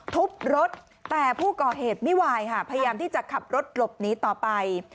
ทุบรถแต่ผู้ก่อเหตุไม่วายค่ะพยายามที่จะขับรถหลบหนีต่อไป